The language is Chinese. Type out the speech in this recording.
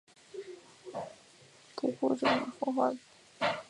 不过这种方法的应用并不广泛。